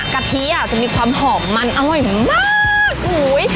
กะทิอ่ะจะมีความหอมมันอร่อยมากอุ้ย